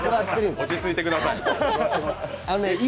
落ち着いてください。